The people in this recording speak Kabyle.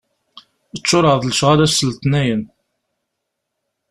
Ččuṛeɣ d lecɣal ass n letnayen.